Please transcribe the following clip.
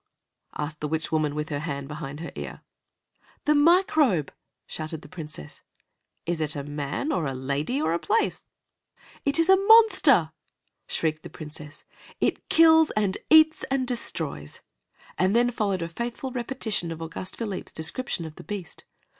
asked the witch woman, with her hand behind her ear. "The Microbe!" shouted the Princess. "Is it a man, or a lady, or a place?" "It's a monster!" shrieked the Princess. "It kills, and eats, and destroys." And then followed a faithful repetition of Auguste Philippe's description of the beast.